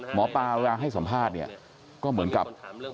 หมอปลาร้างให้สัมภาษณ์ก็เหมือนกับ